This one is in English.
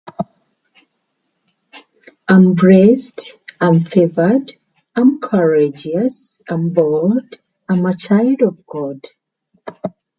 There were no endorsements using "Soundscape".